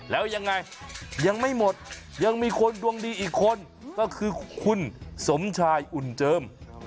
แล้วยังไงยังไม่หมดยังมีคนดวงดีอีกคนก็คือคุณสมชายอุ่นเจิม